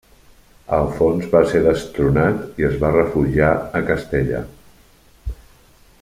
Alfons va ser destronat i es va refugiar a Castella.